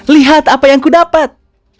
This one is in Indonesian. lihat apa yang kudapat